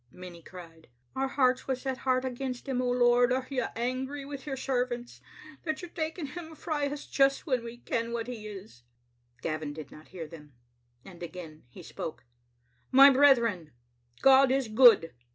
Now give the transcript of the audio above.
Many cried, " Our hearts was set hard against him. O Lord, are you angry wi' your servants that you're taking him frae us just when we ken what he isf" Gavin did not hear them, and again he spoke: " My brethren, God is good.